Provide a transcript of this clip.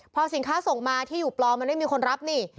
พอสินค้าส่งมาที่อยู่ปลอมมันไม่มีคนรับนี่